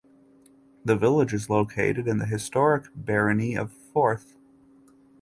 The village is located in the historic barony of Forth.